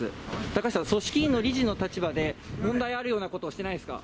高橋さん、組織委の理事の立場で問題あるようなこと、してないですか？